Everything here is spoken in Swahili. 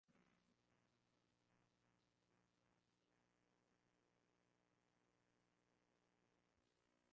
mapendekezo ya rais Rais huchaguliwa kwa kura ya wananchi wote kwa